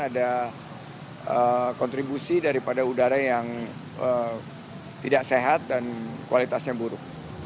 ada kontribusi daripada udara yang tidak sehat dan kualitasnya buruk